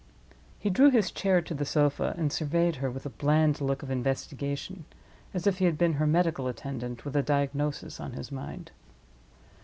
He drew his chair to the sofa, and surveyed her with a bland look of investigation—as if he had been her medical attendant, with a diagnosis on his mind.